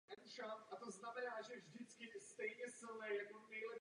Během třicetileté války bylo město několikrát dobyto a obsazeno.